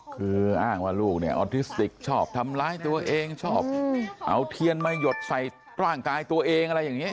คืออ้างว่าลูกเนี่ยออทิสติกชอบทำร้ายตัวเองชอบเอาเทียนมาหยดใส่ร่างกายตัวเองอะไรอย่างนี้